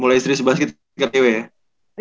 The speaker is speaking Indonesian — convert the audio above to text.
mulai istri se basket ke cewe ya